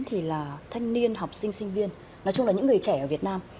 thì là thanh niên học sinh sinh viên nói chung là những người trẻ ở việt nam